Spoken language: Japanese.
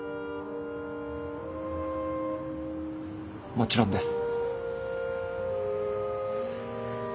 もちろんです。